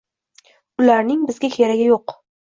Ularning bizga keragi yo‘q.